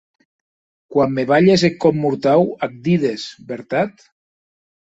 Quan me balhes eth còp mortau ac dides, vertat?